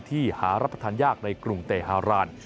ที่หารับประทานยากในกรุงเตฮาราน